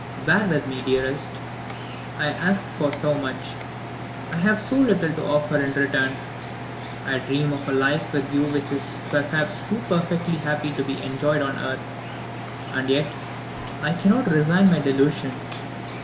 Bear with me, dearest! I ask for so much; I have so little to offer in return. I dream of a life with you which is perhaps too perfectly happy to be enjoyed on earth. And yet, I cannot resign my delusion.